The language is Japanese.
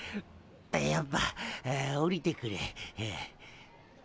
やっぱ下りてくれ。